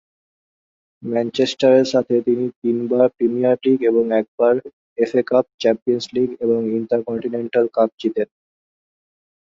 ম্যানচেস্টারের সাথে তিনি তিনবার প্রিমিয়ার লীগ এবং একবার এফএ কাপ, চ্যাম্পিয়ন্স লিগ এবং ইন্টারকন্টিনেন্টাল কাপ জিতেন।